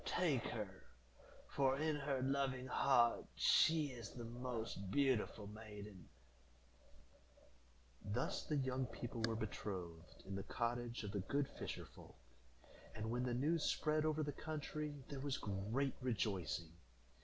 Take her, for in her loving heart she is the most beautiful maiden." Thus the young people were betrothed in the cottage of the good fisher folk, and, when the news spread over the country, there was great rejoicing.